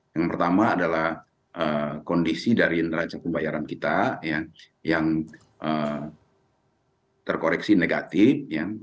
yang pertama adalah kondisi dari neraca pembayaran kita yang terkoreksi negatif